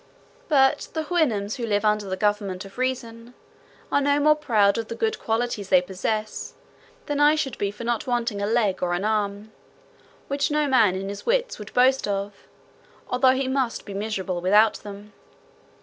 But the Houyhnhnms, who live under the government of reason, are no more proud of the good qualities they possess, than I should be for not wanting a leg or an arm; which no man in his wits would boast of, although he must be miserable without them.